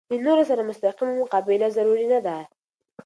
د نورو سره مستقیمه مقابله ضروري نه ده.